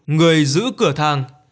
người giữ cửa thang